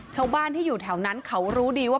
ชาวบ้านที่อยู่แถวนั้นเขารู้ดีว่า